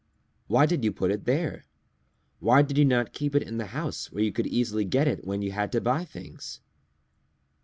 Why did you put it there? Why did you not keep it in the house where you could easily get it when you had to buy things?"